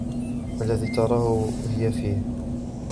ما الذي تراهُ هيُ فيه ؟